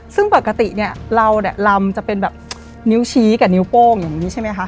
ซึ่งปกติเนี่ยเราเนี่ยลำจะเป็นแบบนิ้วชี้กับนิ้วโป้งอย่างนี้ใช่ไหมคะ